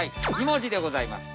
２文字でございます。